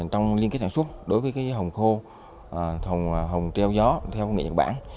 trong liên kết sản xuất đối với cái hồng khô hồng trao gió theo nghệ nhật bản